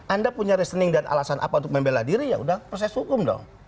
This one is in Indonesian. anda punya reasoning dan alasan apa untuk membela diri ya udah proses hukum dong